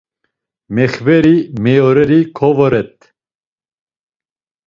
Mexveri meyoreri kovoret.